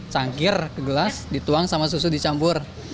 cangkir ke gelas dituang sama susu dicampur